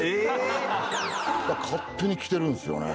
だから勝手に着てるんですよね。